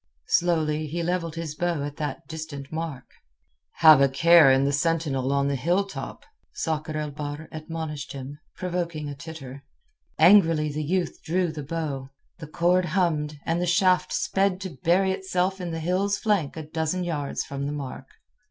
Slowly he levelled his bow at that distant mark. "Have a care of the sentinel on the hill top," Sakr el Bahr admonished him, provoking a titter. Angrily the youth drew the bow. The cord hummed, and the shaft sped to bury itself in the hill's flank a dozen yards from the mark.